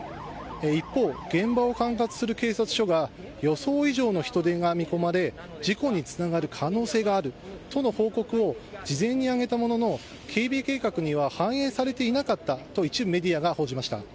一方、現場を管轄する警察署が、予想以上の人出が見込まれ、事故につながる可能性があるとの報告を事前に挙げたものの、警備計画には反映されていなかったと一部メディアが報じました。